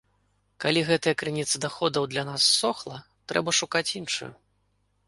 Калі гэтая крыніца даходаў для нас ссохла, трэба шукаць іншую.